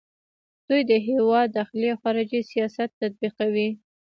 دوی د هیواد داخلي او خارجي سیاست تطبیقوي.